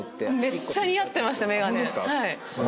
めっちゃ似合ってました。